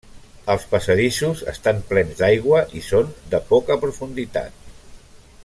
Els passadissos estan plens d'aigua i són de poca profunditat.